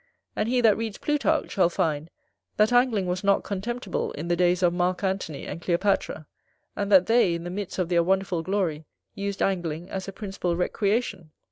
And he that reads Plutarch, shall find, that Angling was not contemptible in the days of Mark Antony and Cleopatra, and that they, in the midst of their wonderful glory, used Angling as a principal recreation.